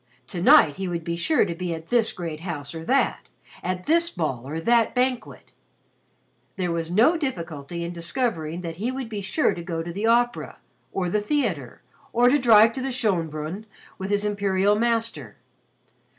To night he would be sure to be at this great house or that, at this ball or that banquet. There was no difficulty in discovering that he would be sure to go to the opera, or the theatre, or to drive to Schönbrunn with his imperial master.